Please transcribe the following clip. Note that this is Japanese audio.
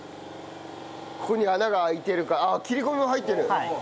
ここに穴が開いてるからあっ切り込みも入ってる！